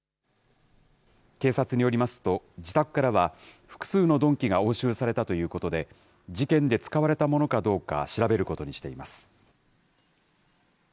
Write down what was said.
警察によりますと、自宅からは、複数の鈍器が押収されたということで、事件で使われたものかどうか調べることにしています。